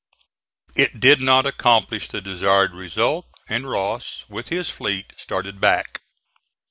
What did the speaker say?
It did not accomplish the desired result, and Ross, with his fleet, started back.